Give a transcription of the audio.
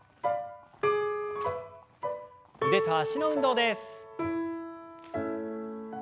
腕と脚の運動です。